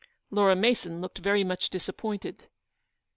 " Laura Mason looked very much disappointed.